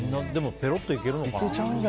ぺろっといけるのかな。